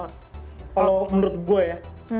kalau menurut gue ya